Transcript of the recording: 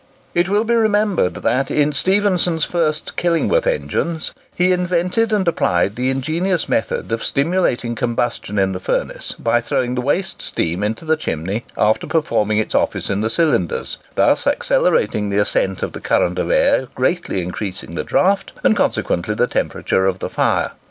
It will be remembered that in Stephenson's first Killingworth engines he invented and applied the ingenious method of stimulating combustion in the furnace, by throwing the waste steam into the chimney after performing its office in the cylinders, thus accelerating the ascent of the current of air, greatly increasing the draught, and consequently the temperature of the fire.